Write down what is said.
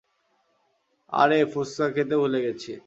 আরে, ফুসকা খেতে ভুলে গেছি।